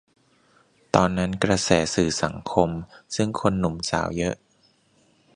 ตอนนั้นกระแสสื่อสังคม ซึ่งคนหนุ่มสาวเยอะ